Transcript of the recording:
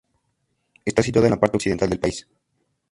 Está situada en la parte occidental del país.